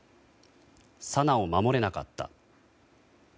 紗菜を守れなかった。